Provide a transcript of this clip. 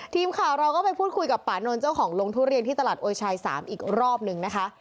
ทีมข่าวเราก็ไปพูดคุยกับปานนท์เจ้าของลงทุเรียนที่ตลาดโอยชาย๓อีกรอบนึงนะคะ